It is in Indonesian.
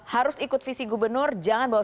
harus ikut visi gubernur jangan bawa